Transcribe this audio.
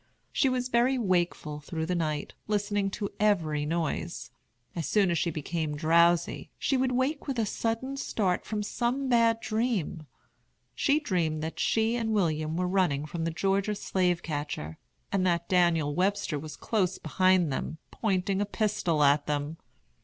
She was very wakeful through the night, listening to every noise. As soon as she became drowsy, she would wake with a sudden start from some bad dream. She dreamed that she and William were running from the Georgia slave catcher, and that Daniel Webster was close behind them, pointing a pistol at them.